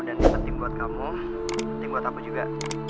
dan yang penting buat kamu penting buat aku juga